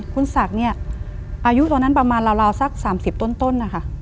คุณศักดิ์เนี่ยอายุตอนนั้นประมาณราวสัก๓๐ต้นนะคะ